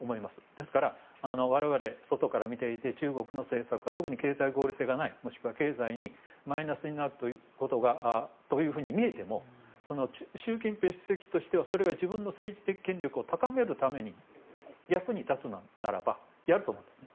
ですから、我々、外から見ていて中国の政策が特に経済合理性がないもしくは経済にマイナスになるというふうに見えても習近平主席としては自分の政治的権力を高めるために役に立つのならばやると思うんですね。